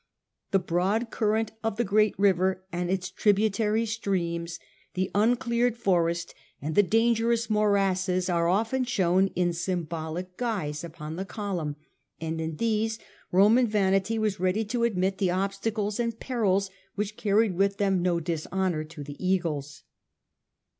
The broad current of the great river and its tributary streams, the uncleared forest, and the dangerous morasses, are often shown in symbolic guise upon the column, and in these Roman vanity was ready to admit the obstacles and perils which carried with them no dishonour to the eagles.